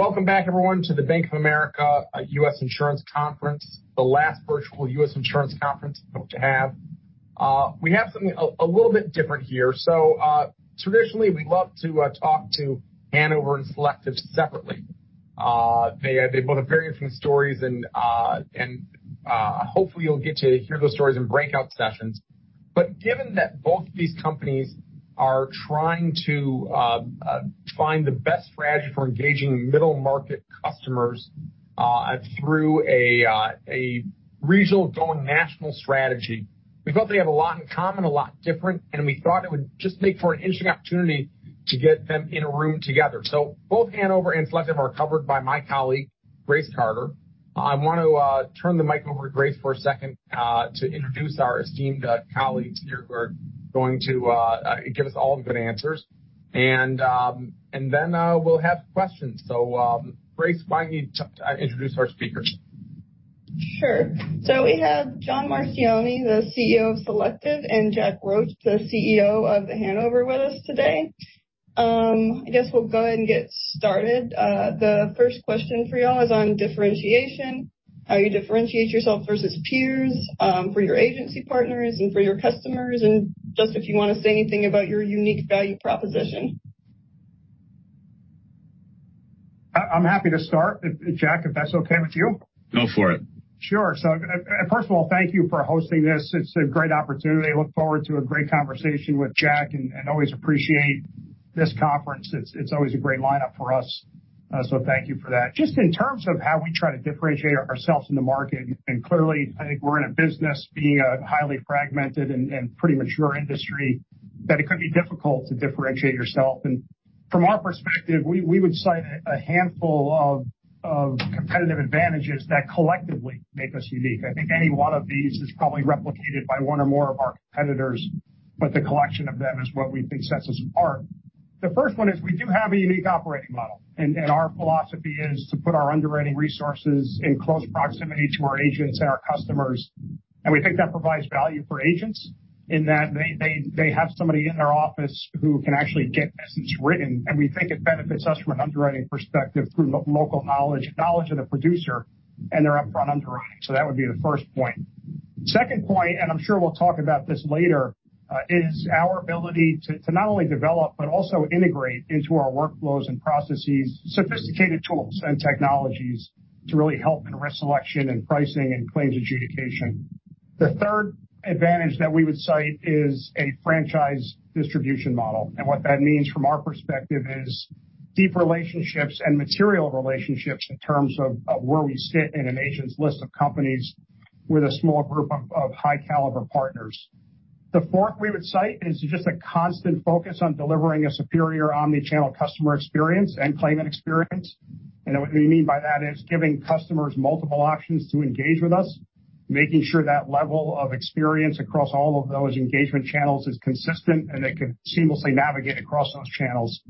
Welcome back everyone to the Bank of America U.S. Insurance Conference, the last virtual U.S. Insurance Conference I hope to have. We have something a little bit different here. Traditionally, we love to talk to Hanover and Selective separately. They both have very different stories and hopefully you'll get to hear those stories in breakout sessions. Given that both of these companies are trying to find the best strategy for engaging middle market customers through a regional going national strategy, we thought they have a lot in common, a lot different, and we thought it would just make for an interesting opportunity to get them in a room together. Both Hanover and Selective are covered by my colleague, Grace Carter. I want to turn the mic over to Grace for a second, to introduce our esteemed colleagues here who are going to give us all the good answers. Then, we'll have questions. Grace, why don't you introduce our speakers? Sure. We have John Marchioni, the CEO of Selective, and Jack Roche, the CEO of Hanover, with us today. I guess we'll go ahead and get started. The first question for y'all is on differentiation, how you differentiate yourself versus peers, for your agency partners and for your customers, and just if you want to say anything about your unique value proposition. I'm happy to start, Jack, if that's okay with you. Go for it. Sure. First of all, thank you for hosting this. It's a great opportunity. I look forward to a great conversation with Jack and always appreciate this conference. It's always a great lineup for us, so thank you for that. Just in terms of how we try to differentiate ourselves in the market, and clearly, I think we're in a business being a highly fragmented and pretty mature industry, that it could be difficult to differentiate yourself. From our perspective, we would cite a handful of competitive advantages that collectively make us unique. I think any one of these is probably replicated by one or more of our competitors, but the collection of them is what we think sets us apart. The first one is we do have a unique operating model, and our philosophy is to put our underwriting resources in close proximity to our agents and our customers. We think that provides value for agents in that they have somebody in their office who can actually get business written, and we think it benefits us from an underwriting perspective through local knowledge of the producer and their upfront underwriting. That would be the first point. Second point, and I'm sure we'll talk about this later, is our ability to not only develop but also integrate into our workflows and processes, sophisticated tools and technologies to really help in risk selection and pricing and claims adjudication. The third advantage that we would cite is a franchise distribution model, and what that means from our perspective is deep relationships and material relationships in terms of where we sit in an agent's list of companies with a small group of high-caliber partners. The fourth we would cite is just a constant focus on delivering a superior omni-channel customer experience and claimant experience. What we mean by that is giving customers multiple options to engage with us, making sure that level of experience across all of those engagement channels is consistent, and they can seamlessly navigate across those channels.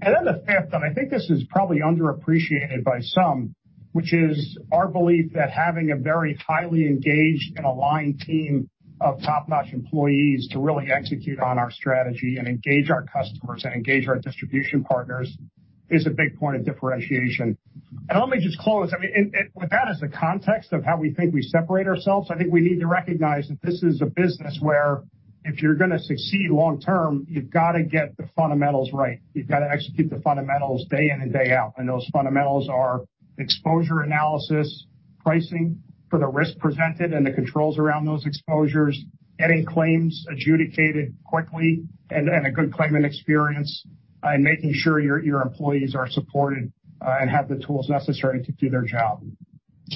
The fifth, I think this is probably underappreciated by some, which is our belief that having a very highly engaged and aligned team of top-notch employees to really execute on our strategy and engage our customers and engage our distribution partners is a big point of differentiation. Let me just close. I mean, with that as the context of how we think we separate ourselves, I think we need to recognize that this is a business where if you're going to succeed long-term, you've got to get the fundamentals right. You've got to execute the fundamentals day in and day out. Those fundamentals are exposure analysis, pricing for the risk presented, and the controls around those exposures, getting claims adjudicated quickly and a good claimant experience, and making sure your employees are supported, and have the tools necessary to do their job.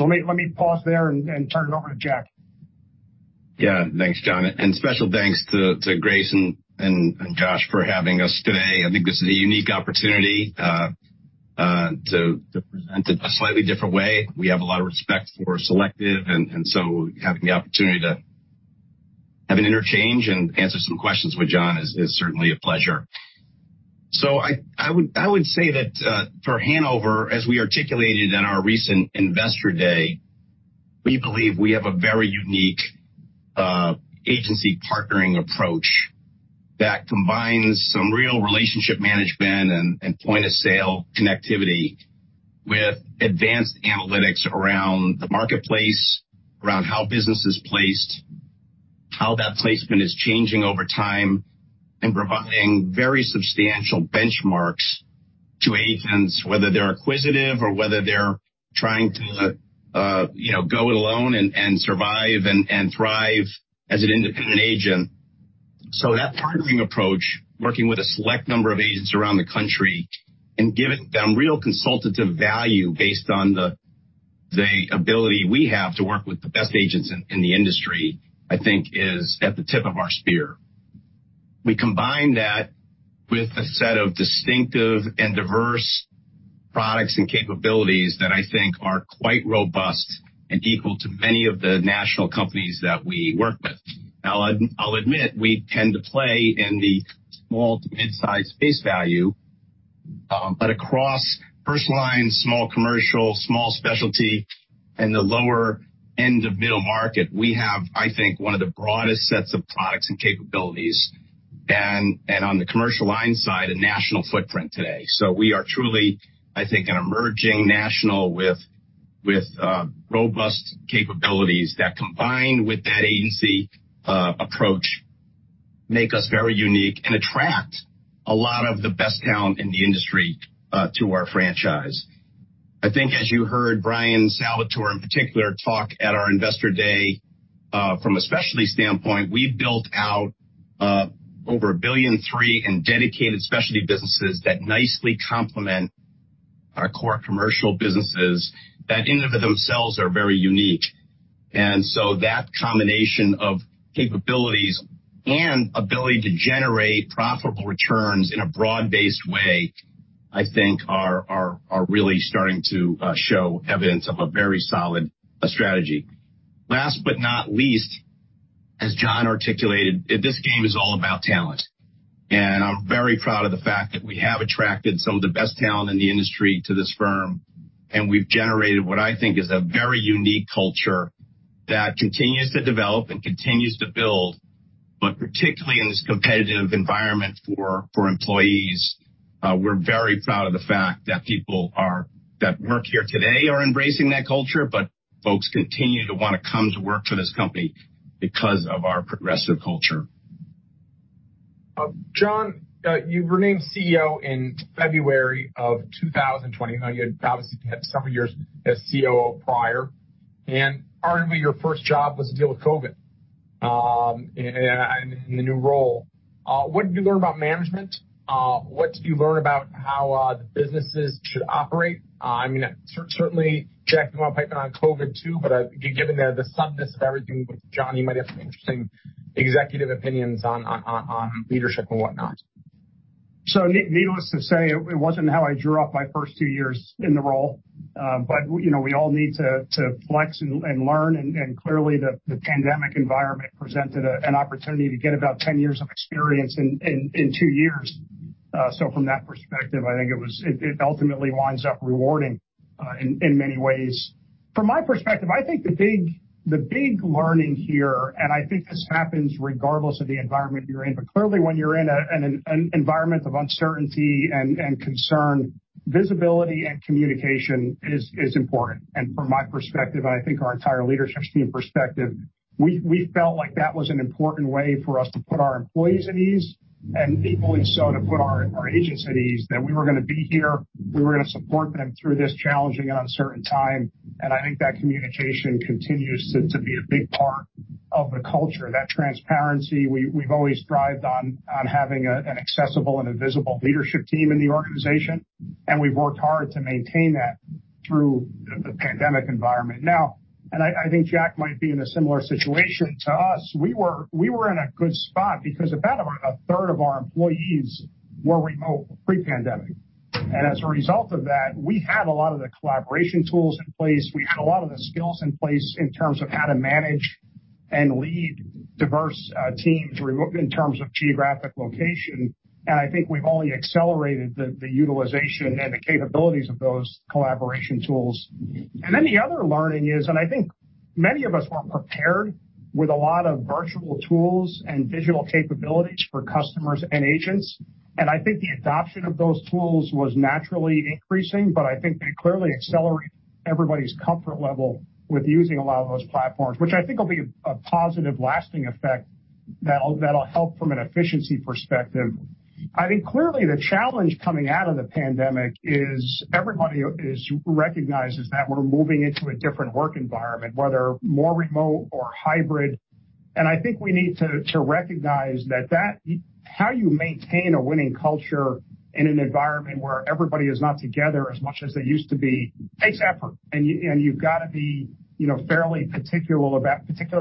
Let me pause there and turn it over to Jack. Yeah. Thanks, John. Special thanks to Grace and Josh for having us today. I think this is a unique opportunity to present it a slightly different way. We have a lot of respect for Selective Insurance Group and having the opportunity to have an interchange and answer some questions with John is certainly a pleasure. I would say that for The Hanover Insurance Group, as we articulated in our recent investor day, we believe we have a very unique agency partnering approach that combines some real relationship management and point-of-sale connectivity with advanced analytics around the marketplace, around how business is placed, how that placement is changing over time, and providing very substantial benchmarks to agents, whether they're acquisitive or whether they're trying to go it alone and survive and thrive as an independent agent. That partnering approach, working with a select number of agents around the country and giving them real consultative value based on the ability we have to work with the best agents in the industry, I think is at the tip of our spear. We combine that with a set of distinctive and diverse products and capabilities that I think are quite robust and equal to many of the national companies that we work with. Now, I'll admit, we tend to play in the small to midsize space value, but across first line, small commercial, small specialty, and the lower end of middle market, we have, I think, one of the broadest sets of products and capabilities. On the commercial line side, a national footprint today. We are truly, I think, an emerging national with robust capabilities that combined with that agency approach, make us very unique and attract a lot of the best talent in the industry, to our franchise. I think as you heard Bryan J. Salvatore in particular talk at our investor day, from a specialty standpoint, we've built out over $1.3 billion in dedicated specialty businesses that nicely complement our core commercial businesses that in and of themselves are very unique. That combination of capabilities and ability to generate profitable returns in a broad-based way, I think are really starting to show evidence of a very solid strategy. Last but not least, as John articulated, this game is all about talent. I'm very proud of the fact that we have attracted some of the best talent in the industry to this firm, and we've generated what I think is a very unique culture that continues to develop and continues to build, but particularly in this competitive environment for employees. We're very proud of the fact that people that work here today are embracing that culture, but folks continue to want to come to work for this company because of our progressive culture. John, you were named CEO in February of 2020. You had obviously spent several years as COO prior, and arguably your first job was to deal with COVID in the new role. What did you learn about management? What did you learn about how the businesses should operate? I mean, certainly, Jack, you want to pipe in on COVID too, but given the suddenness of everything with John, you might have some interesting executive opinions on leadership and whatnot. Needless to say, it wasn't how I drew up my first two years in the role. We all need to flex and learn, and clearly, the pandemic environment presented an opportunity to get about 10 years of experience in two years. From that perspective, I think it ultimately winds up rewarding in many ways. From my perspective, I think the big learning here, and I think this happens regardless of the environment you're in, but clearly when you're in an environment of uncertainty and concern, visibility and communication is important. From my perspective, and I think our entire leadership team perspective, we felt like that was an important way for us to put our employees at ease and equally so to put our agents at ease that we were going to be here, we were going to support them through this challenging and uncertain time. I think that communication continues to be a big part of the culture, that transparency. We've always strived on having an accessible and a visible leadership team in the organization, and we've worked hard to maintain that through the pandemic environment. I think Jack might be in a similar situation to us. We were in a good spot because about a third of our employees were remote pre-pandemic. As a result of that, we had a lot of the collaboration tools in place. We had a lot of the skills in place in terms of how to manage and lead diverse teams remote in terms of geographic location. I think we've only accelerated the utilization and the capabilities of those collaboration tools. The other learning is, I think many of us weren't prepared with a lot of virtual tools and digital capabilities for customers and agents. I think the adoption of those tools was naturally increasing, but I think that clearly accelerated everybody's comfort level with using a lot of those platforms, which I think will be a positive lasting effect that'll help from an efficiency perspective. I think clearly the challenge coming out of the pandemic is everybody recognizes that we're moving into a different work environment, whether more remote or hybrid. I think we need to recognize that how you maintain a winning culture in an environment where everybody is not together as much as they used to be takes effort. You've got to be fairly particular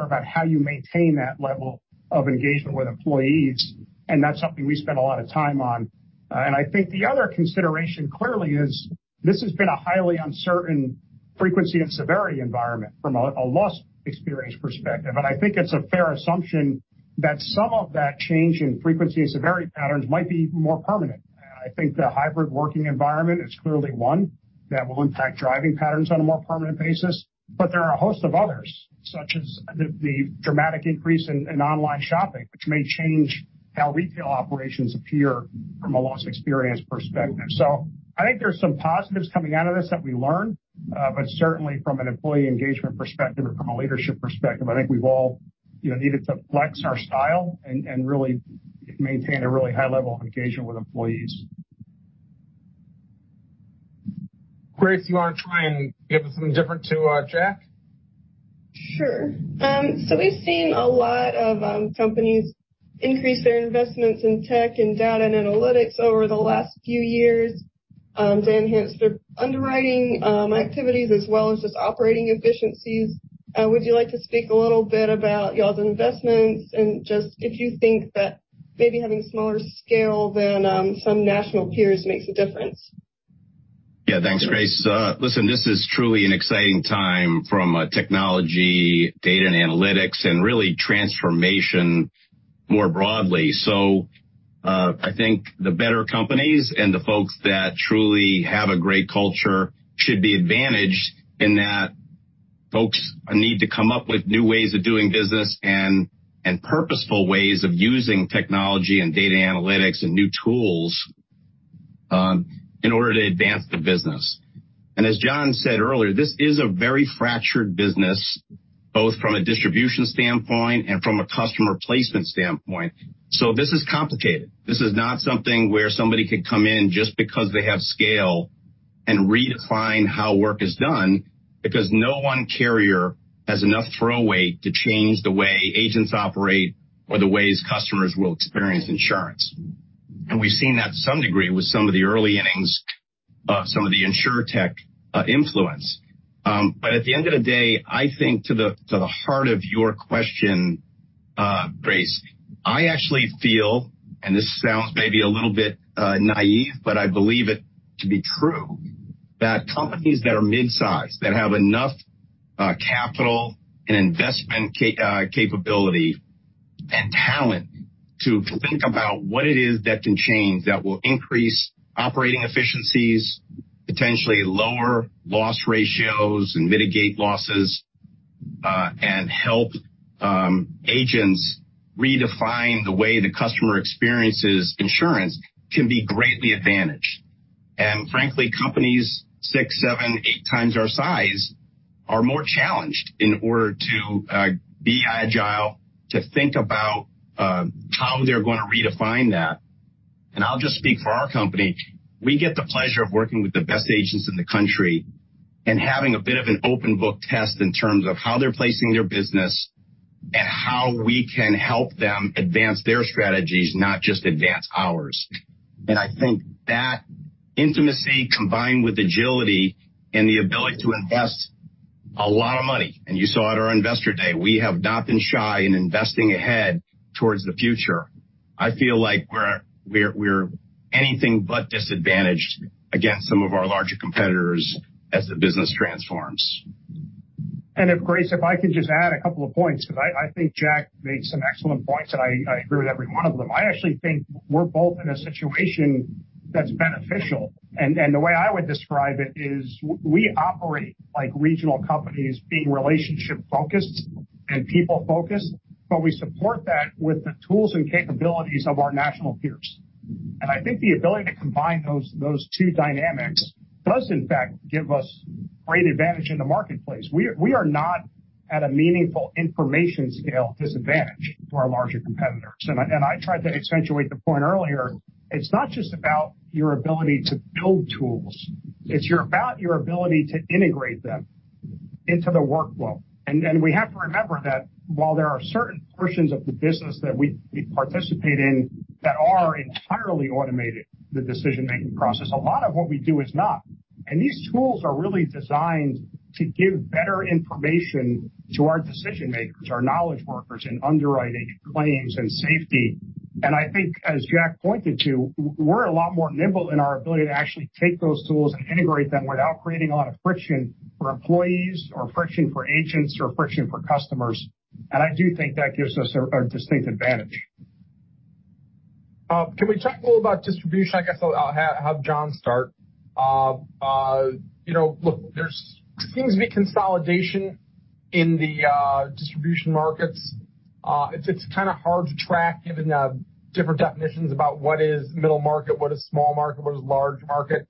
about how you maintain that level of engagement with employees. That's something we spend a lot of time on. I think the other consideration clearly is this has been a highly uncertain frequency and severity environment from a loss experience perspective. I think it's a fair assumption that some of that change in frequency and severity patterns might be more permanent. I think the hybrid working environment is clearly one that will impact driving patterns on a more permanent basis. There are a host of others, such as the dramatic increase in online shopping, which may change how retail operations appear from a loss experience perspective. I think there's some positives coming out of this that we learn. Certainly, from an employee engagement perspective or from a leadership perspective, I think we've all needed to flex our style and really maintain a really high level of engagement with employees. Grace, you want to try and give us something different to Jack? Sure. We've seen a lot of companies increase their investments in tech and data analytics over the last few years, to enhance their underwriting activities as well as just operating efficiencies. Would you like to speak a little bit about y'all's investments and just if you think that maybe having smaller scale than some national peers makes a difference? Yeah, thanks, Grace. Listen, this is truly an exciting time from a technology, data, and analytics, and really transformation more broadly. I think the better companies and the Folks that truly have a great culture should be advantaged in that. Folks need to come up with new ways of doing business and purposeful ways of using technology and data analytics and new tools in order to advance the business. As John said earlier, this is a very fractured business, both from a distribution standpoint and from a customer placement standpoint. This is complicated. This is not something where somebody could come in just because they have scale and redefine how work is done, because no one carrier has enough throw weight to change the way agents operate or the ways customers will experience insurance. We've seen that to some degree with some of the early innings of some of the insurtech influence. At the end of the day, I think to the heart of your question, Grace, I actually feel, and this sounds maybe a little bit naive, but I believe it to be true, that companies that are mid-size, that have enough capital and investment capability and talent to think about what it is that can change, that will increase operating efficiencies, potentially lower loss ratios, and mitigate losses, and help agents redefine the way the customer experiences insurance, can be greatly advantaged. Frankly, companies six, seven, eight times our size are more challenged in order to be agile, to think about how they're going to redefine that. I'll just speak for our company. We get the pleasure of working with the best agents in the country and having a bit of an open book test in terms of how they're placing their business and how we can help them advance their strategies, not just advance ours. I think that intimacy combined with agility and the ability to invest a lot of money, and you saw at our investor day, we have not been shy in investing ahead towards the future. I feel like we're anything but disadvantaged against some of our larger competitors as the business transforms. Grace, if I could just add a couple of points, because I think Jack made some excellent points, and I agree with every one of them. I actually think we're both in a situation that's beneficial. The way I would describe it is we operate like regional companies, being relationship-focused and people-focused, but we support that with the tools and capabilities of our national peers. I think the ability to combine those two dynamics does in fact give us great advantage in the marketplace. We are not at a meaningful information scale disadvantage to our larger competitors. I tried to accentuate the point earlier, it's not just about your ability to build tools, it's about your ability to integrate them into the workflow. We have to remember that while there are certain portions of the business that we participate in that are entirely automated, the decision-making process, a lot of what we do is not. These tools are really designed to give better information to our decision makers, our knowledge workers in underwriting, claims, and safety. I think as Jack pointed to, we're a lot more nimble in our ability to actually take those tools and integrate them without creating a lot of friction for employees or friction for agents or friction for customers. I do think that gives us a distinct advantage. Can we talk a little about distribution? I guess I'll have John start. Look, there seems to be consolidation in the distribution markets. It's kind of hard to track given the different definitions about what is middle market, what is small market, what is large market.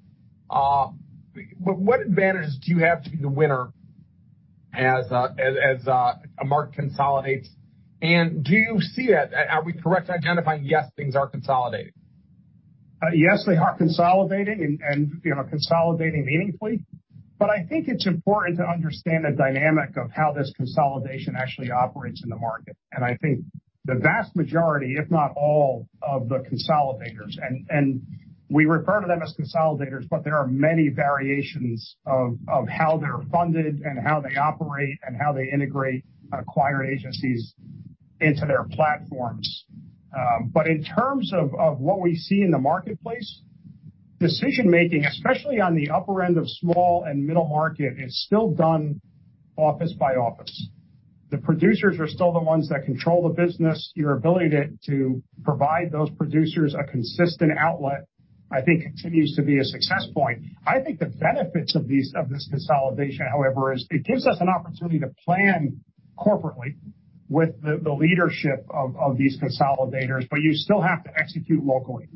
What advantages do you have to be the winner as a market consolidates? Do you see that, are we correct identifying, yes, things are consolidating? Yes, they are consolidating and consolidating meaningfully. I think it's important to understand the dynamic of how this consolidation actually operates in the market. I think the vast majority, if not all, of the consolidators, and we refer to them as consolidators, but there are many variations of how they're funded and how they operate and how they integrate acquired agencies into their platforms. In terms of what we see in the marketplace, decision-making, especially on the upper end of small and middle market, is still done office by office. The producers are still the ones that control the business. Your ability to provide those producers a consistent outlet, I think continues to be a success point. I think the benefits of this consolidation, however, is it gives us an opportunity to plan corporately with the leadership of these consolidators, but you still have to execute locally.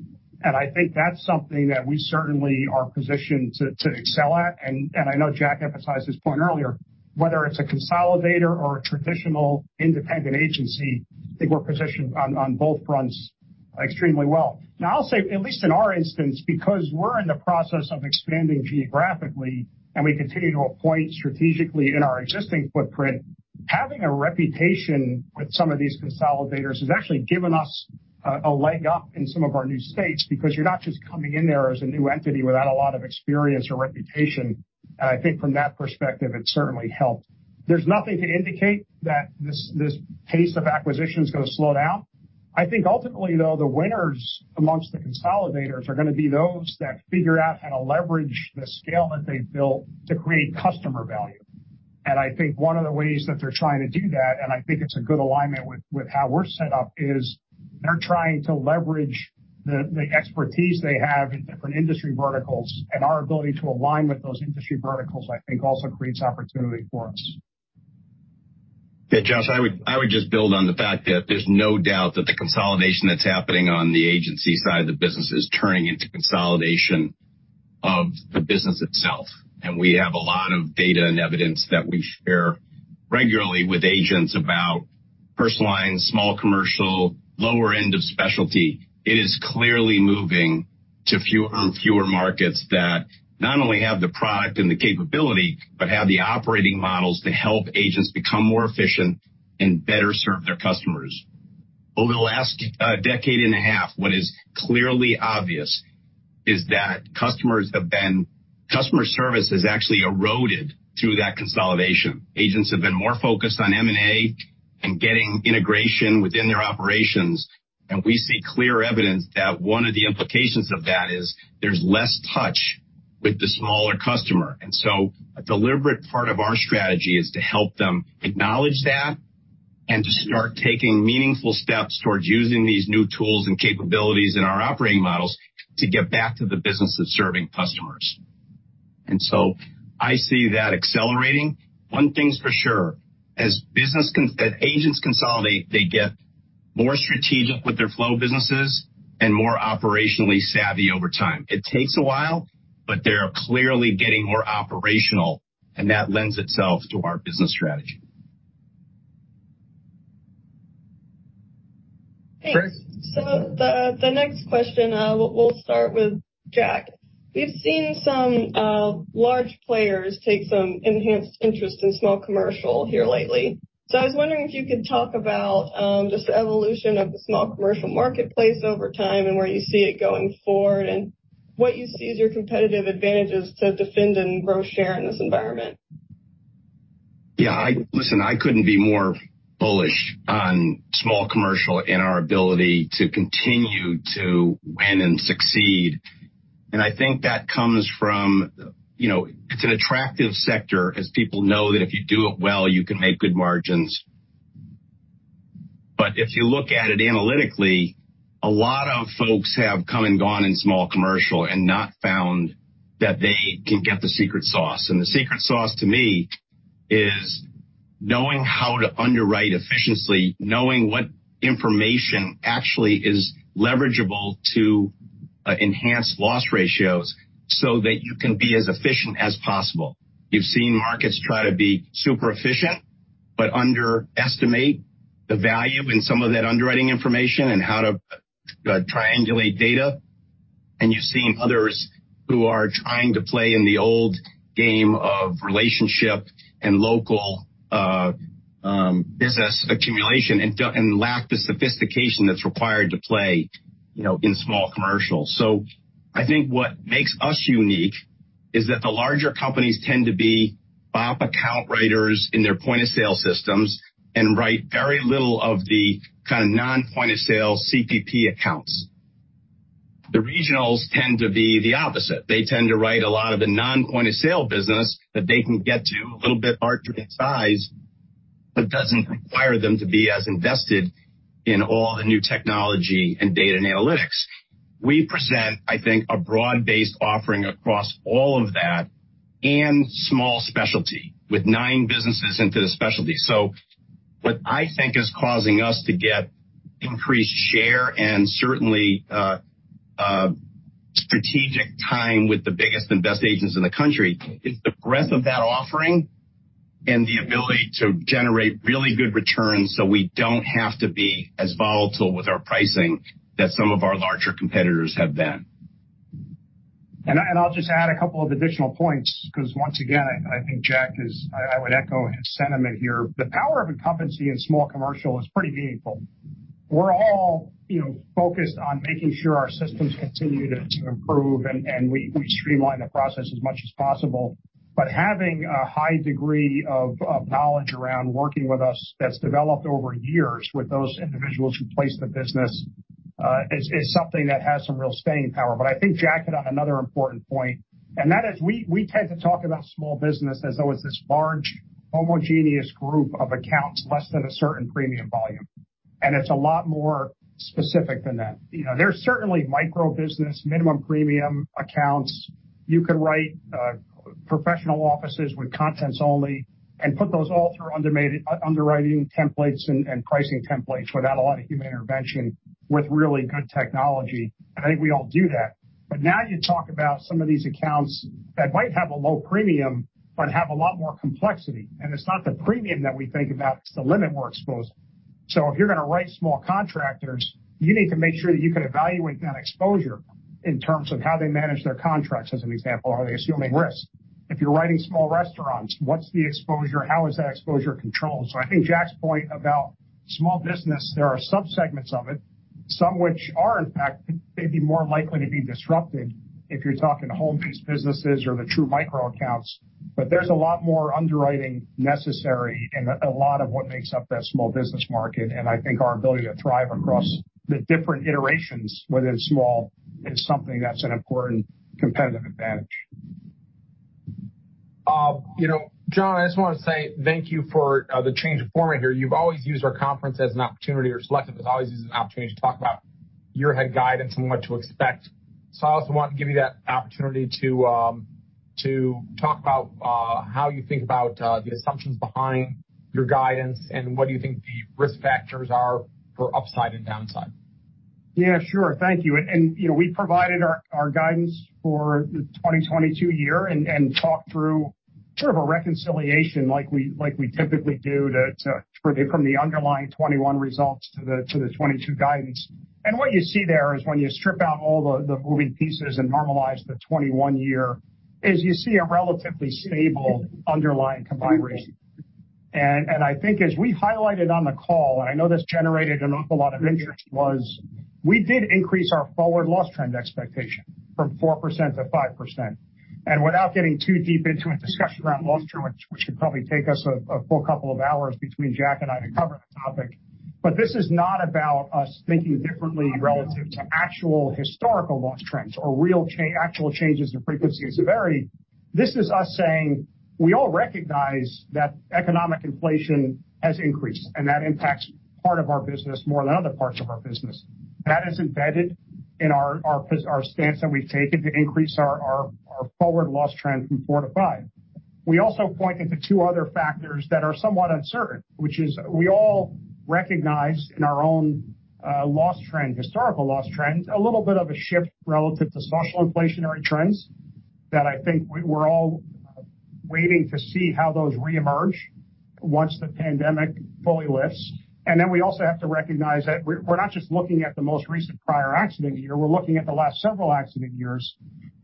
I think that's something that we certainly are positioned to excel at. I know Jack emphasized this point earlier, whether it's a consolidator or a traditional independent agency, I think we're positioned on both fronts extremely well. I'll say, at least in our instance, because we're in the process of expanding geographically and we continue to appoint strategically in our existing footprint, having a reputation with some of these consolidators has actually given us a leg up in some of our new states because you're not just coming in there as a new entity without a lot of experience or reputation. I think from that perspective, it certainly helped. There's nothing to indicate that this pace of acquisition is going to slow down. I think ultimately, though, the winners amongst the consolidators are going to be those that figure out how to leverage the scale that they've built to create customer value. I think one of the ways that they're trying to do that, and I think it's a good alignment with how we're set up, is they're trying to leverage the expertise they have in different industry verticals, and our ability to align with those industry verticals, I think also creates opportunity for us. Yeah, Josh, I would just build on the fact that there's no doubt that the consolidation that's happening on the agency side of the business is turning into consolidation of the business itself, and we have a lot of data and evidence that we share regularly with agents about personal lines, small commercial, lower end of specialty. It is clearly moving to fewer and fewer markets that not only have the product and the capability but have the operating models to help agents become more efficient and better serve their customers. Over the last decade and a half, what is clearly obvious is that customer service has actually eroded through that consolidation. Agents have been more focused on M&A and getting integration within their operations, and we see clear evidence that one of the implications of that is there's less touch with the smaller customer. A deliberate part of our strategy is to help them acknowledge that and to start taking meaningful steps towards using these new tools and capabilities in our operating models to get back to the business of serving customers. I see that accelerating. One thing's for sure, as agents consolidate, they get more strategic with their flow businesses and more operationally savvy over time. It takes a while, but they're clearly getting more operational, and that lends itself to our business strategy. Thanks. Grace. The next question, we'll start with Jack. We've seen some large players take some enhanced interest in small commercial here lately. I was wondering if you could talk about just the evolution of the small commercial marketplace over time and where you see it going forward, and what you see as your competitive advantages to defend and grow share in this environment. Yeah, listen, I couldn't be more bullish on small commercial and our ability to continue to win and succeed. I think that comes from, it's an attractive sector as people know that if you do it well, you can make good margins. If you look at it analytically, a lot of folks have come and gone in small commercial and not found that they can get the secret sauce. The secret sauce to me is knowing how to underwrite efficiently, knowing what information actually is leverageable to enhance loss ratios so that you can be as efficient as possible. You've seen markets try to be super efficient, but underestimate the value in some of that underwriting information and how to triangulate data. You've seen others who are trying to play in the old game of relationship and local business accumulation and lack the sophistication that's required to play in small commercial. I think what makes us unique is that the larger companies tend to be BOP account writers in their point-of-sale systems and write very little of the kind of non-point of sale CPP accounts. The regionals tend to be the opposite. They tend to write a lot of the non-point of sale business that they can get to, a little bit larger in size, but doesn't require them to be as invested in all the new technology and data and analytics. We present, I think, a broad-based offering across all of that and small specialty with 9 businesses into the specialty. What I think is causing us to get increased share and certainly strategic time with the biggest and best agents in the country is the breadth of that offering and the ability to generate really good returns so we don't have to be as volatile with our pricing that some of our larger competitors have been. I'll just add a couple of additional points because once again, I would echo his sentiment here. The power of incumbency in small commercial is pretty meaningful. We're all focused on making sure our systems continue to improve and we streamline the process as much as possible. Having a high degree of knowledge around working with us that's developed over years with those individuals who place the business, is something that has some real staying power. I think Jack hit on another important point, that is we tend to talk about small business as though it's this large homogeneous group of accounts less than a certain premium volume. It's a lot more specific than that. There's certainly micro business, minimum premium accounts. You could write professional offices with contents only and put those all through underwriting templates and pricing templates without a lot of human intervention with really good technology. I think we all do that. Now you talk about some of these accounts that might have a low premium but have a lot more complexity. It's not the premium that we think about, it's the limit we're exposed to. If you're going to write small contractors, you need to make sure that you can evaluate that exposure in terms of how they manage their contracts as an example. Are they assuming risk? If you're writing small restaurants, what's the exposure? How is that exposure controlled? I think Jack's point about small business, there are subsegments of it, some which are in fact maybe more likely to be disrupted if you're talking home-based businesses or the true micro accounts. There's a lot more underwriting necessary in a lot of what makes up that small business market. I think our ability to thrive across the different iterations, whether it's small, is something that's an important competitive advantage. John, I just want to say thank you for the change of format here. You've always used our conference as an opportunity, or Selective has always used it as an opportunity to talk about your head guidance and what to expect. I also want to give you that opportunity to talk about how you think about the assumptions behind your guidance, and what do you think the risk factors are for upside and downside? Yeah, sure. Thank you. We provided our guidance for the 2022 year and talked through sort of a reconciliation like we typically do to, from the underlying 2021 results to the 2022 guidance. What you see there is when you strip out all the moving pieces and normalize the 2021 year, you see a relatively stable underlying combined ratio. I think as we highlighted on the call, and I know this generated an awful lot of interest, was we did increase our forward loss trend expectation from 4% to 5%. Without getting too deep into a discussion around loss trend, which would probably take us a full couple of hours between Jack and I to cover the topic. This is not about us thinking differently relative to actual historical loss trends or real actual changes in frequency and severity. This is us saying, we all recognize that economic inflation has increased, and that impacts part of our business more than other parts of our business. That is embedded in our stance that we've taken to increase our forward loss trend from 4% to 5%. We also pointed to two other factors that are somewhat uncertain. Which is we all recognize in our own loss trend, historical loss trends, a little bit of a shift relative to social inflationary trends that I think we're all waiting to see how those reemerge once the pandemic fully lifts. We also have to recognize that we're not just looking at the most recent prior accident year. We're looking at the last several accident years,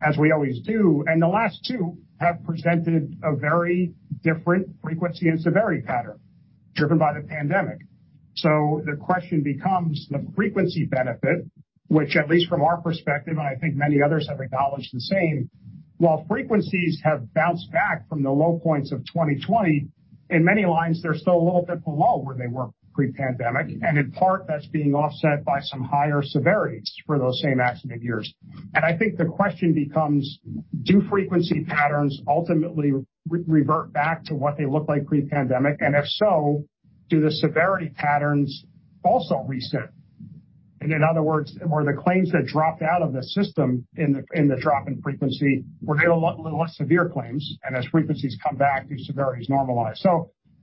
as we always do. The last two have presented a very different frequency and severity pattern driven by the pandemic. The question becomes the frequency benefit, which at least from our perspective, and I think many others have acknowledged the same. While frequencies have bounced back from the low points of 2020, in many lines, they're still a little bit below where they were pre-pandemic, and in part, that's being offset by some higher severities for those same accident years. I think the question becomes, do frequency patterns ultimately revert back to what they looked like pre-pandemic? If so, do the severity patterns also reset? In other words, were the claims that dropped out of the system in the drop in frequency were less severe claims, and as frequencies come back, do severities normalize?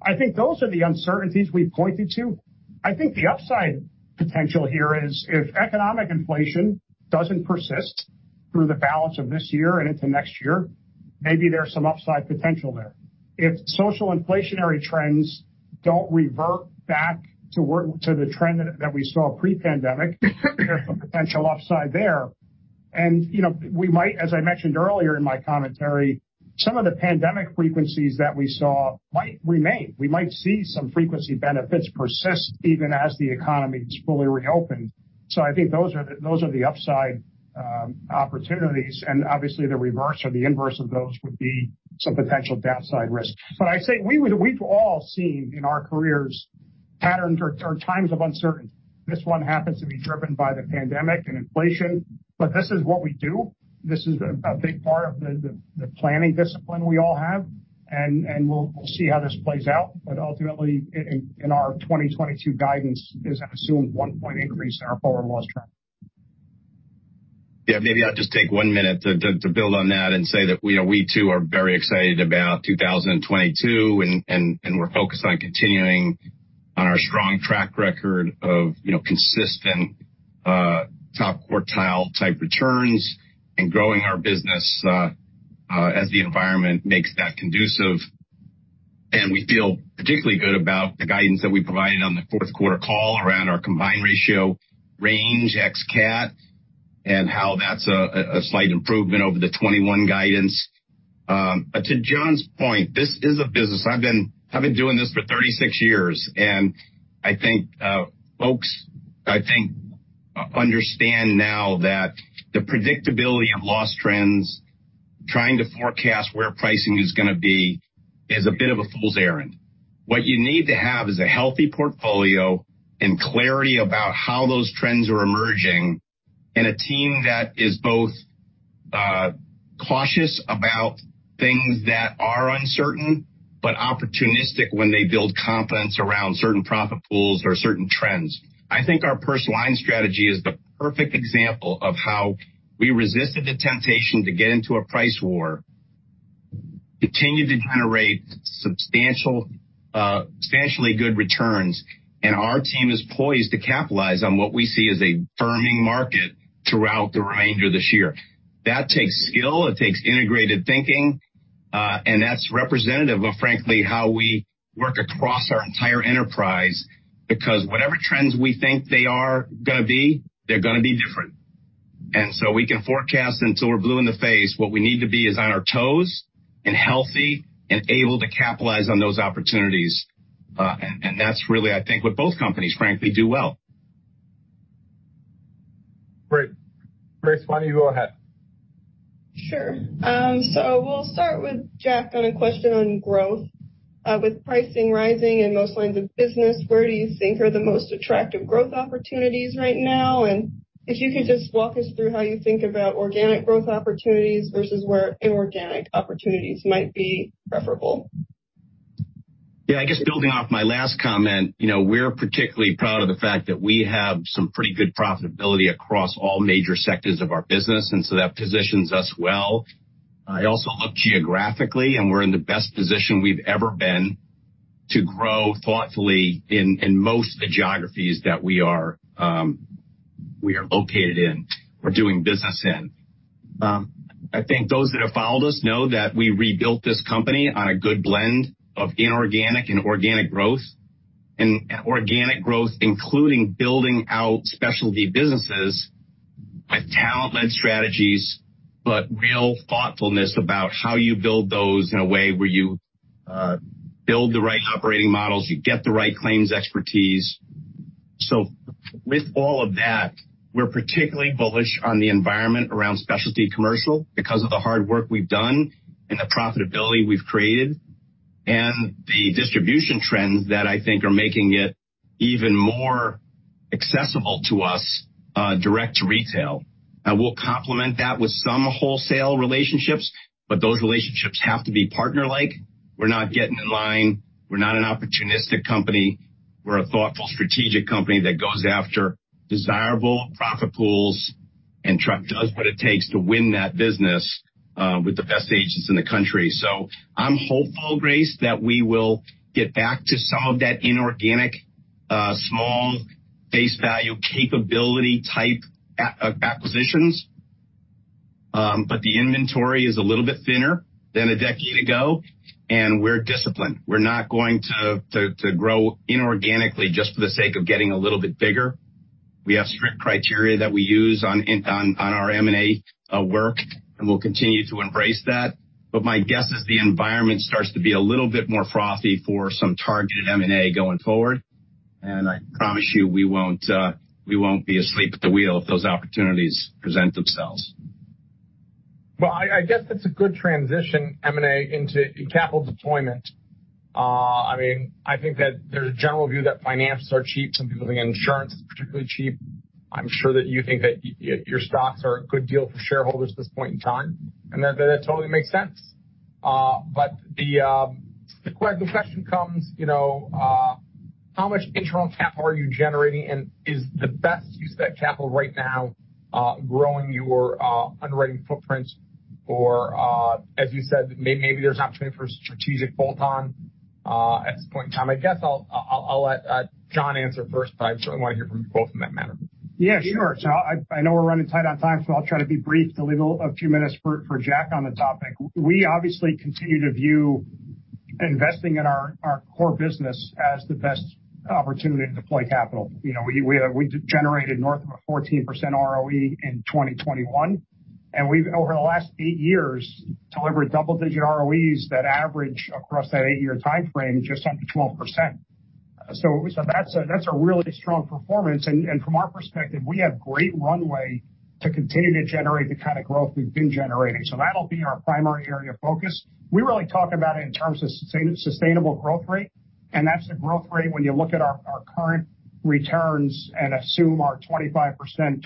I think those are the uncertainties we've pointed to. I think the upside potential here is if economic inflation doesn't persist through the balance of this year and into next year, maybe there's some upside potential there. If social inflationary trends don't revert back to the trend that we saw pre-pandemic, there's some potential upside there. We might, as I mentioned earlier in my commentary, some of the pandemic frequencies that we saw might remain. We might see some frequency benefits persist even as the economy is fully reopened. I think those are the upside opportunities. Obviously the reverse or the inverse of those would be some potential downside risk. I say we've all seen in our careers patterns or times of uncertainty. This one happens to be driven by the pandemic and inflation. This is what we do. This is a big part of the planning discipline we all have, we'll see how this plays out. Ultimately, in our 2022 guidance is assumed one point increase in our forward loss trend. Yeah, maybe I'll just take one minute to build on that and say that we too are very excited about 2022, we're focused on continuing on our strong track record of consistent top quartile type returns and growing our business, as the environment makes that conducive. We feel particularly good about the guidance that we provided on the fourth quarter call around our combined ratio range, ex-cat, and how that's a slight improvement over the 2021 guidance. To John's point, this is a business. I've been doing this for 36 years, and I think folks understand now that the predictability of loss trends, trying to forecast where pricing is going to be is a bit of a fool's errand. What you need to have is a healthy portfolio and clarity about how those trends are emerging and a team that is both cautious about things that are uncertain but opportunistic when they build confidence around certain profit pools or certain trends. I think our personal lines strategy is the perfect example of how we resisted the temptation to get into a price war, continued to generate substantially good returns, our team is poised to capitalize on what we see as a firming market throughout the remainder of this year. That takes skill, it takes integrated thinking, and that's representative of, frankly, how we work across our entire enterprise because whatever trends we think they are going to be, they're going to be different. We can forecast until we're blue in the face. What we need to be is on our toes and healthy and able to capitalize on those opportunities. That's really, I think, what both companies frankly do well. Great. Grace, why don't you go ahead? Sure. We'll start with Jack on a question on growth. With pricing rising in most lines of business, where do you think are the most attractive growth opportunities right now? If you could just walk us through how you think about organic growth opportunities versus where inorganic opportunities might be preferable. I guess building off my last comment, we're particularly proud of the fact that we have some pretty good profitability across all major sectors of our business. That positions us well. I also look geographically, we're in the best position we've ever been to grow thoughtfully in most of the geographies that we are located in, or doing business in. I think those that have followed us know that we rebuilt this company on a good blend of inorganic and organic growth. Organic growth, including building out specialty businesses with talent-led strategies, but real thoughtfulness about how you build those in a way where you build the right operating models, you get the right claims expertise. With all of that, we're particularly bullish on the environment around specialty commercial because of the hard work we've done, the profitability we've created, and the distribution trends that I think are making it even more accessible to us direct to retail. We'll complement that with some wholesale relationships, those relationships have to be partner-like. We're not getting in line. We're not an opportunistic company. We're a thoughtful strategic company that goes after desirable profit pools and does what it takes to win that business with the best agents in the country. I'm hopeful, Grace, that we will get back to some of that inorganic, small base value capability type acquisitions. The inventory is a little bit thinner than a decade ago, we're disciplined. We're not going to grow inorganically just for the sake of getting a little bit bigger. We have strict criteria that we use on our M&A work. We'll continue to embrace that. My guess is the environment starts to be a little bit more frothy for some targeted M&A going forward. I promise you, we won't be asleep at the wheel if those opportunities present themselves. I guess that's a good transition, M&A into capital deployment. I think that there's a general view that finances are cheap. Some people think insurance is particularly cheap. I'm sure that you think that your stocks are a good deal for shareholders at this point in time. That totally makes sense. The question comes, how much internal capital are you generating, and is the best use of that capital right now growing your underwriting footprints or, as you said, maybe there's an opportunity for a strategic bolt-on, at this point in time? I guess I'll let John answer first, but I certainly want to hear from you both in that manner. Sure. I know we're running tight on time, so I'll try to be brief to leave a few minutes for Jack on the topic. We obviously continue to view investing in our core business as the best opportunity to deploy capital. We generated north of a 14% ROE in 2021, and we've, over the last eight years, delivered double-digit ROEs that average across that eight-year timeframe just under 12%. That's a really strong performance. From our perspective, we have great runway to continue to generate the kind of growth we've been generating. That'll be our primary area of focus. We really talk about it in terms of sustainable growth rate, and that's the growth rate when you look at our current returns and assume our 25%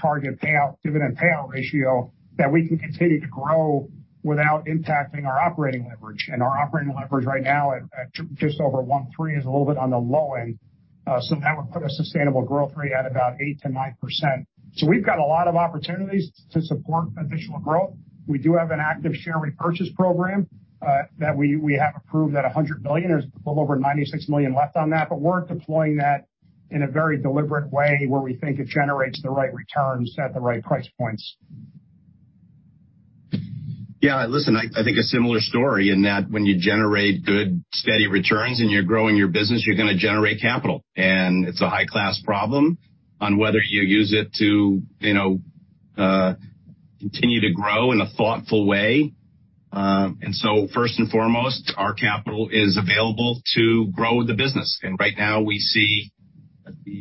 target payout, dividend payout ratio, that we can continue to grow without impacting our operating leverage. Our operating leverage right now at just over one three is a little bit on the low end. That would put a sustainable growth rate at about 8%-9%. We do have an active share repurchase program, that we have approved at $100 million. There's a little over $96 million left on that, but we're deploying that in a very deliberate way where we think it generates the right returns at the right price points. Yeah. Listen, I think a similar story in that when you generate good, steady returns and you're growing your business, you're going to generate capital. It's a high-class problem on whether you use it to continue to grow in a thoughtful way. First and foremost, our capital is available to grow the business. Right now we see,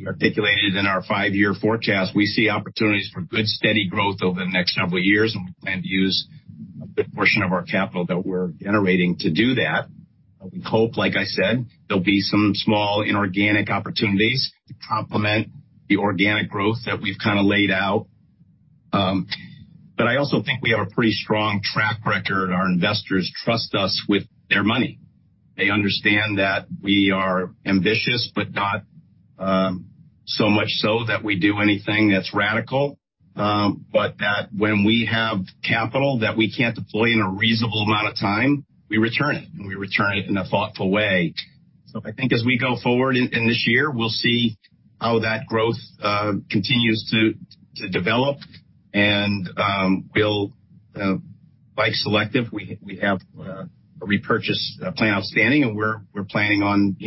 articulated in our five-year forecast, we see opportunities for good, steady growth over the next several years, and we plan to use a good portion of our capital that we're generating to do that. We hope, like I said, there'll be some small inorganic opportunities to complement the organic growth that we've kind of laid out. I also think we have a pretty strong track record. Our investors trust us with their money. They understand that we are ambitious, but not so much so that we do anything that's radical. That when we have capital that we can't deploy in a reasonable amount of time, we return it, and we return it in a thoughtful way. I think as we go forward in this year, we'll see how that growth continues to develop and we'll be selective. We have a repurchase plan outstanding, and we're planning on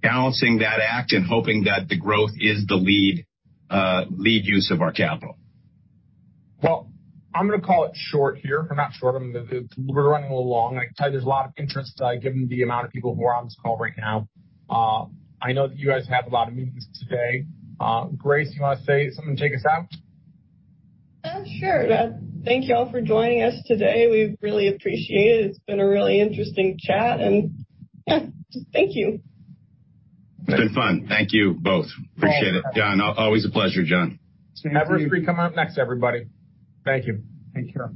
balancing that act and hoping that the growth is the lead use of our capital. Well, I'm gonna call it short here. Not short, we're running a little long, and I can tell you there's a lot of interest given the amount of people who are on this call right now. I know that you guys have a lot of meetings today. Grace, you want to say something to take us out? Sure. Thank you all for joining us today. We really appreciate it. It's been a really interesting chat. Yeah, just thank you. It's been fun. Thank you both. Appreciate it. John, always a pleasure, John. February 3, come up next, everybody. Thank you. Thank you.